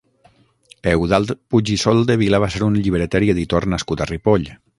Eudald Puig i Soldevila va ser un llibreter i editor nascut a Ripoll.